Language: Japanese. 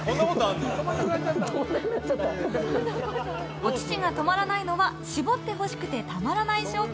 お乳が止まらないのは搾ってほしくてたまらない証拠。